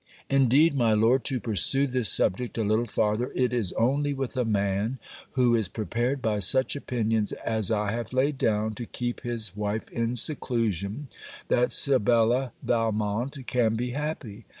'Indeed, my Lord, to pursue this subject a little farther, it is only with a man who is prepared by such opinions as I have laid down to keep his wife in seclusion, that Sibella Valmont can be happy.